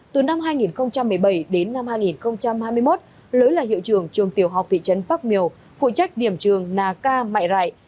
từ năm hai nghìn một mươi bảy đến năm hai nghìn hai mươi một lới là hiệu trường trường tiểu học thị trấn bắc miều phụ trách điểm trường nà ca mại rại